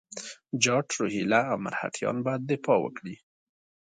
جاټ، روهیله او مرهټیان باید دفاع وکړي.